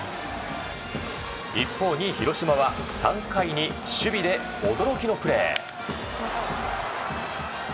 一方、２位の広島は３回に守備で驚きのプレー。